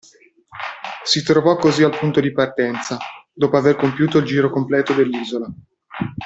Si trovò così al punto di partenza, dopo aver compiuto il giro completo dell'isola.